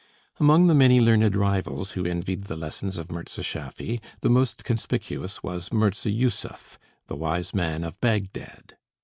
Among the many learned rivals who envied the lessons of Mirza Schaffy, the most conspicuous was Mirza Jussuf, the Wise Man of Bagdad.